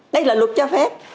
đây là luật cho phép